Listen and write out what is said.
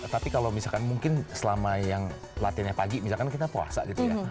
tapi kalau misalkan mungkin selama yang latihannya pagi misalkan kita puasa gitu ya